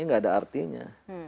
tidak ada artinya